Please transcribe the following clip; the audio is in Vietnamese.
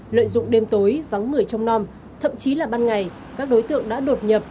lợi dụng đêm tối vắng mười trong non thậm chí là ban ngày các đối tượng đã đột nhập